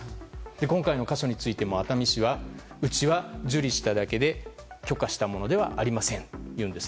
今回の箇所についても熱海市は、うちは受理しただけで許可したものではないというんです。